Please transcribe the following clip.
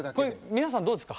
皆さんどうですか？